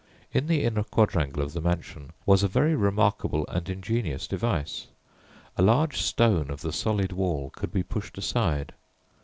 In the inner quadrangle of the mansion was a very remarkable and ingenious device. A large stone of the solid wall could be pushed aside.